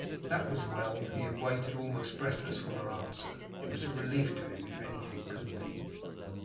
That was well. He had waited, almost breathless, for her answer. It was a relief to him, if anything could be.